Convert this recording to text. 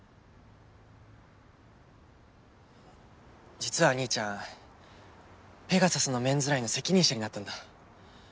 実は兄ちゃんペガサスのメンズラインの責任者になったんだ。